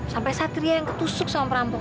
sampai satria yang ketusuk sama perampok